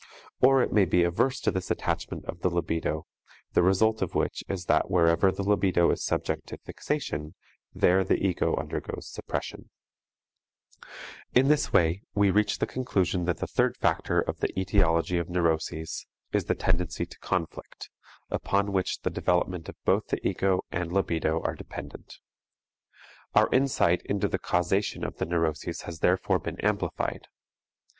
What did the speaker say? Or it may be averse to this attachment of the libido, the result of which is that wherever the libido is subject to fixation, there the ego undergoes suppression. In this way we reach the conclusion that the third factor of the etiology of neuroses is the tendency to conflict, upon which the development both of the ego and libido are dependent. Our insight into the causation of the neuroses has therefore been amplified.